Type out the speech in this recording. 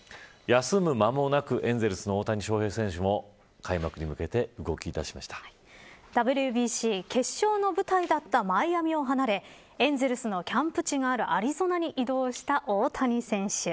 休む間もなくエンゼルスの大谷翔平選手もＷＢＣ決勝の舞台だったマイアミを離れエンゼルスのキャンプ地があるアリゾナに移動した大谷選手。